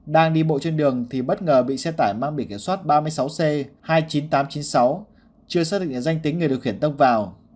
đang đi bộ trên đường thì bất ngờ bị xe tải mang biển kiểm soát ba mươi sáu c hai mươi chín nghìn tám trăm chín mươi sáu chưa xác định danh tính người điều khiển tông vào